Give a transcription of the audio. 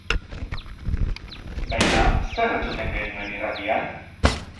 Baina, zer entzuten genuen irratian?